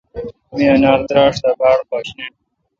می انار دراݭ دا بارخوش نے۔